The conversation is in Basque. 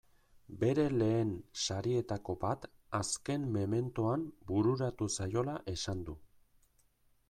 Bere lehen sarietako bat azken mementoan bururatu zaiola esan du.